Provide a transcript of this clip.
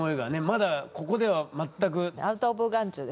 まだここでは全く。